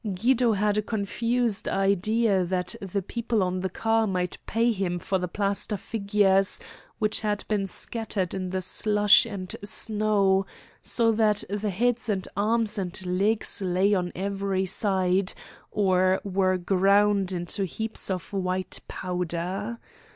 Guido had a confused idea that the people on the car might pay him for the plaster figures which had been scattered in the slush and snow, so that the heads and arms and legs lay on every side or were ground into heaps of white powder.